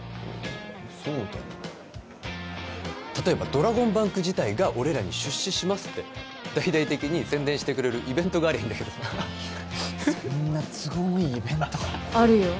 そうだな例えばドラゴンバンク自体が俺らに出資しますって大々的に宣伝してくれるイベントがありゃいいんだけどなそんな都合のいいイベントあるよ